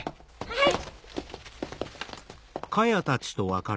はい。